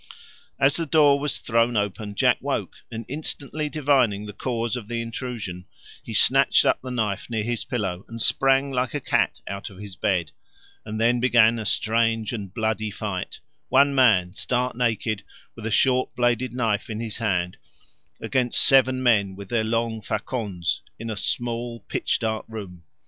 As the door was thrown open Jack woke, and instantly divining the cause of the intrusion, he snatched up the knife near his pillow and sprang like a cat out of his bed; and then began a strange and bloody fight, one man, stark naked, with a short bladed knife in his hand, against seven men with their long facons, in a small pitch dark room.